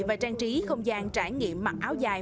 và trang trí không gian trải nghiệm mặc áo dài